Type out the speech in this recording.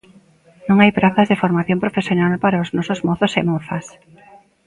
Non hai prazas de formación profesional para os nosos mozos e mozas.